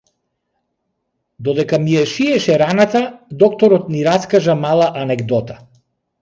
Додека ми ја шиеше раната докторот ни раскажа мала анегдота.